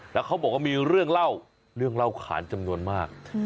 แล้วเขาบอกว่ามีเรื่องเล่าเรื่องเล่าขานจำนวนมาก